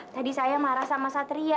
tadi saya marah sama satria